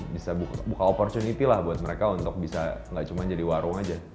bisa buka opportunity lah buat mereka untuk bisa gak cuma jadi warung aja